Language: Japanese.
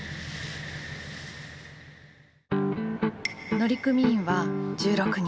乗組員は１６人。